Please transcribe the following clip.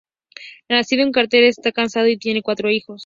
Nacido en Cáceres, está casado y tiene cuatro hijos.